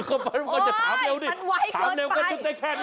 โอ้ยมันไวเกินไป